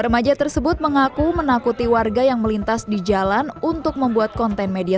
remaja tersebut mengaku menakuti warga yang melintas di jalan untuk membuat konten media